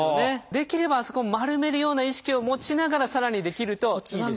できればあそこは丸めるような意識を持ちながらさらにできるといいです。